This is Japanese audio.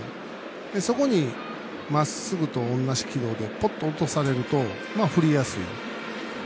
そこに、まっすぐと同じ軌道でぽっと落とされると振りやすい。